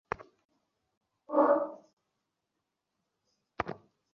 Left back, right back, central midfield পজিশনে কোনো বিশেষজ্ঞ খেলোয়াড় ছিল না।